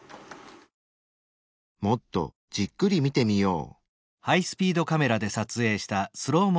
もっとじっくり見てみよう。